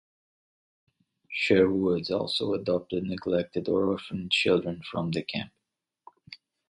Sherwood also adopted neglected or orphaned children from the camp.